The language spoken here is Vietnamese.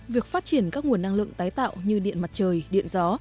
việc phát triển các nguồn năng lượng tái tạo như điện mặt trời điện gió